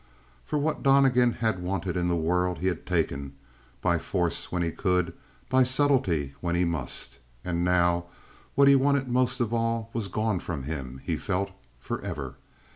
For what Donnegan had wanted in the world, he had taken; by force when he could, by subtlety when he must. And now, what he wanted most of all was gone from him, he felt, forever.